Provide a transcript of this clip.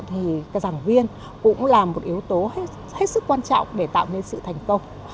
thì giảng viên cũng là một yếu tố hết sức quan trọng để tạo nên sự thành công